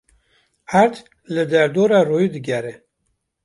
Erd li derdora royê digere.